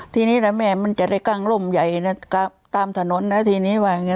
ทีนี้ถ้าแม่มันจะได้กั้งร่มใหญ่นะตามถนนนะทีนี้ว่าไง